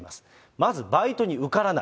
まずバイトに受からない、